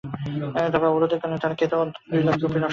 তবে অবরোধের কারণে তাঁর খেতে অন্তত দুই লাখ কপি নষ্ট হচ্ছে।